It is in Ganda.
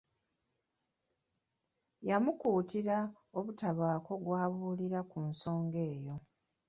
Yamukuutira obutabaako gw'abuulira ku nsonga eyo.